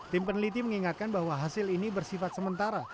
tim peneliti mengingatkan bahwa hasil ini bersifat sementara